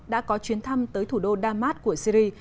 đã có chuyến thăm tới thủ đô đa mát của syri